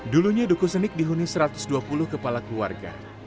dulunya duku senik dihuni satu ratus dua puluh kepala keluarga